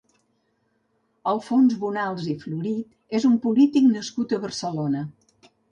Alfons Bonals i Florit és un polític nascut a Barcelona.